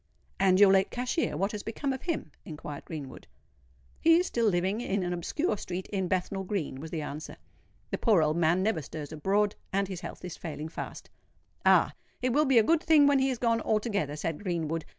"And your late cashier—what has become of him?" inquired Greenwood. "He is still living in an obscure street in Bethnal Green," was the answer. "The poor old man never stirs abroad; and his health is failing fast." "Ah! it will be a good thing when he is gone altogether," said Greenwood.